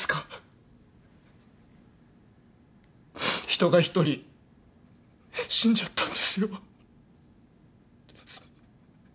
人が１人死んじゃったんですよ。